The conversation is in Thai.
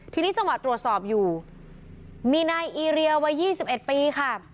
ทีนี้จังหวะตรวจสอบอยู่มีนายอีเรียวัย๒๑ปีค่ะ